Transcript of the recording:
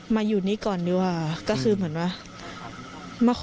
มาอยู่นี่ก่อนดีกว่าก็คือเหมือนว่า